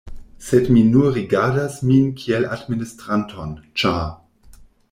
Sed mi nur rigardas min kiel administranton, ĉar.